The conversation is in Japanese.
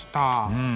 うん。